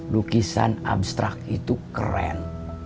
lukisan abstrak itu keren